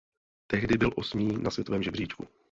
Tehdy byl osmý na světovém žebříčku.